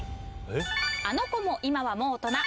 あの子も今はもう大人。